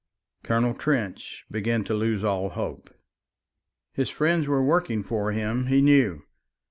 Colonel Trench began to lose all hope. His friends were working for him, he knew.